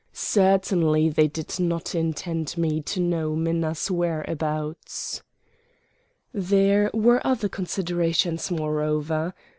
Certainly they did not intend me to know Minna's whereabouts. There were other considerations, moreover.